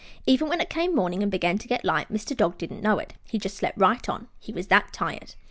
Even when it came morning and began to get light Mr. Dog didn't know it; he just slept right on, he was that tired.